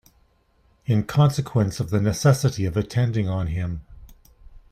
In consequence of the necessity of attending on him.